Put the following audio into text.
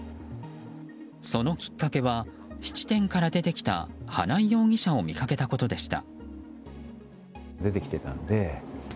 そのきっかけは質店から出てきた花井容疑者を見かけたことでした。